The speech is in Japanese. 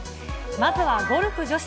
まずはゴルフ女子。